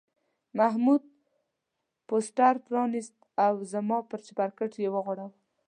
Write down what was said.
محمود پوسټر پرانیست او زما پر چپرکټ یې وغوړاوه.